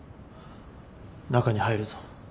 中に入るぞ。